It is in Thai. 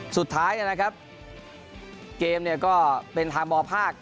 สุดท้ายนะครับเกมเนี่ยก็เป็นทางมภาค